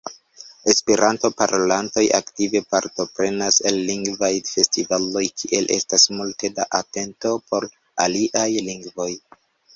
Esperanto-parolantoj aktive partoprenas en lingvaj festivaloj kie estas multe da atento por aliaj lingvoj.